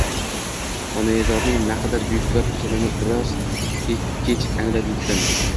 Onaizorning naqadar buyuk zot ekanini biroz kech anglab etdim